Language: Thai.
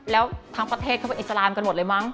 แล้วทั้งประเทศเข้าไปอิสลามกันหมดเลยมั